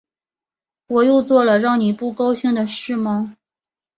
我又做了让你不高兴的事吗